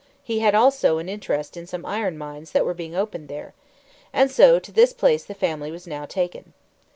He had also an interest in some iron mines that were being opened there. And so to this place the family was now taken.